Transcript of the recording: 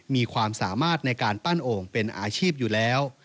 มีความสามารถในการปั้นโอ่งเป็นอาชีพอยู่แล้ว